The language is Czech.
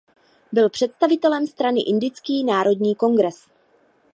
Byl představitelem strany Indický národní kongres.